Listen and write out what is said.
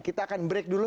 kita akan break dulu